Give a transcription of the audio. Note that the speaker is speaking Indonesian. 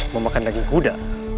memakan daging kuda